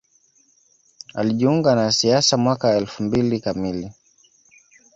Alijiunga na siasa mwaka wa elfu mbili kamili